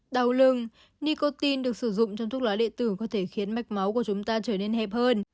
đau lưng nicotine được sử dụng trong thuốc lá địa tử có thể khiến mạch máu của chúng ta trở nên hẹp hơn